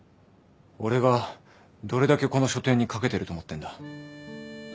俺がどれだけこの書展にかけてると思ってんだ。